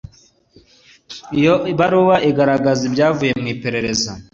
Iyo ibaruwa igaragaza ibyavuye mu iperereza